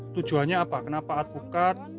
tujuannya apa kenapa alpukat